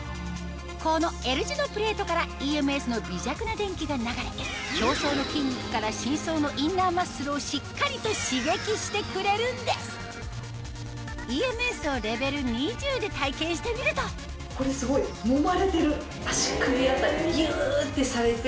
このＬ字のプレートからＥＭＳの微弱な電気が流れ表層の筋肉から深層のインナーマッスルをしっかりと刺激してくれるんですＥＭＳをレベル２０で体験してみると何かもう。